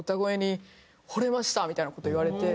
みたいな事言われて。